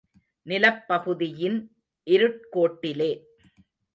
நிலப் பகுதியின் இருட் கோட்டிலே.